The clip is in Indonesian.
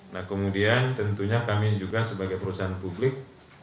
nah kemudian tentunya kami juga sebagai perusahaan publik